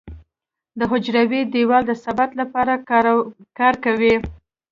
د حجروي دیوال د ثبات لپاره کار کوي.